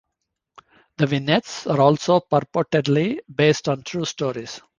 The vignettes are also purportedly based on true stories.